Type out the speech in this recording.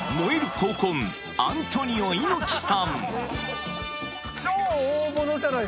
闘魂アントニオ猪木さん